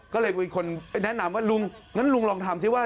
ก็เลยมีคนไปแนะนำว่าลุงงั้นลุงลองทำซิว่า